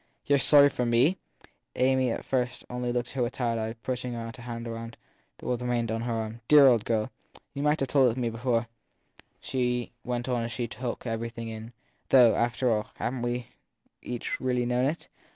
You re sorry for me ? Amy at first only looked at her with tired eyes, putting out a hand that remained awhile on her arm. t Dear old girl ! You might have told me before, she went on as she took everything in; though, after all, haven t we each really known it